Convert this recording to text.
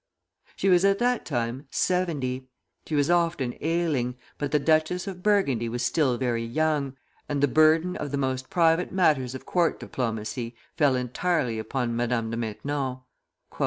She was at that time seventy. She was often ailing; but the Duchess of Burgundy was still very young, and the burden of the most private matters of court diplomacy fell entirely upon Madame de Maintenon.